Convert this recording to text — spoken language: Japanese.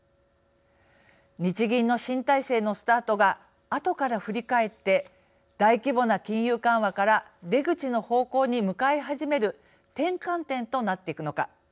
日銀の新体制のスタートがあとから振り返って大規模な金融緩和から出口の方向に向かい始める転換点となっていくのか。